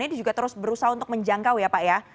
ini juga terus berusaha untuk menjangkau ya pak ya